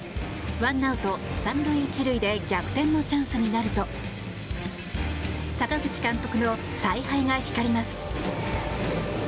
ワンアウト３塁１塁で逆転のチャンスになると阪口監督の采配が光ります。